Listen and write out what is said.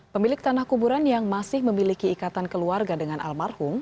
pemilik tanah kuburan yang masih memiliki ikatan keluarga dengan almarhum